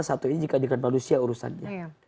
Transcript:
satu ini jika dengan manusia urusannya